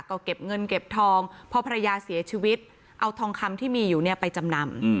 ก็เก็บเงินเก็บทองพอภรรยาเสียชีวิตเอาทองคำที่มีอยู่เนี่ยไปจำนำ